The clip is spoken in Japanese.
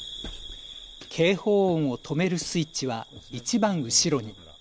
警報音を止めるスイッチはいちばん後ろに。